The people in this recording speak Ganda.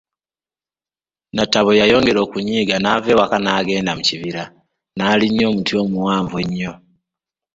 Natabo yeyongera okunyiiga naava awaka n'agenda mu kibiira naalinnya omuti omuwanvu ennyo.